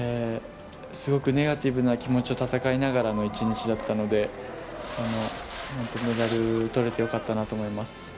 すごくネガティブな気持ちと闘いながらの１日だったのでメダルをとれて良かったと思います。